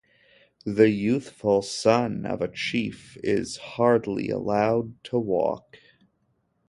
The youthful son of a chief is hardly allowed to walk.